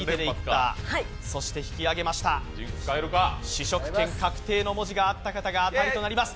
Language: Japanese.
試食権確定の文字があった方が当たりとなります。